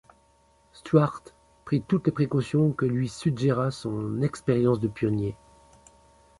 Stuart prit toutes les précautions que lui suggéra son expérience de pionnier.